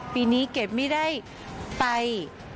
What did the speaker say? ปีนี้เกดไม่ได้ไป